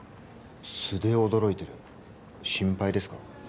素で驚いてる心配ですか？